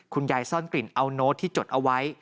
ซ่อนกลิ่นเอาโน้ตที่จดเอาไว้